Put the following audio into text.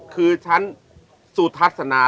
คือชั้นสุทัศนา